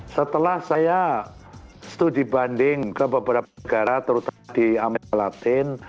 setelah saya studi banding ke beberapa negara terutama di amerika latin